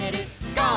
ゴー！」